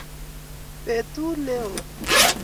betut neoo